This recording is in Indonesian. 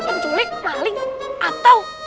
penculik malik atau